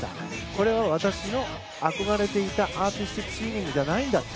これは私の憧れていたアーティスティックスイミングじゃないんだと。